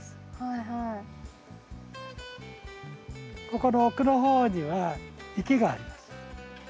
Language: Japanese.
ここの奥の方には池があります。